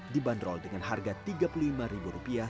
dibanderol dengan harga tiga puluh lima rupiah